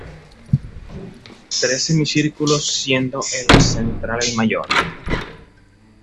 Tres semicírculos siendo el central el mayor.